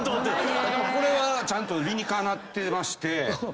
でもこれはちゃんと理にかなってまして。